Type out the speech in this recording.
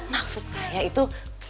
maksud saya itu